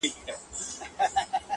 لاري خالي دي له انسانانو-